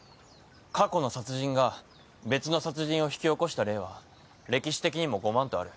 過去の殺人が別の殺人を引き起こした例は歴史的にもごまんとある。